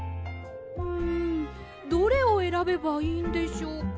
んどれをえらべばいいんでしょうか。